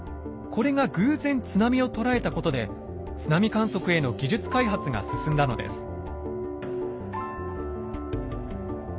これが偶然津波を捉えたことで津波観測への技術開発が進んだのです。